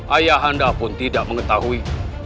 ayah anda pun tidak mengetahui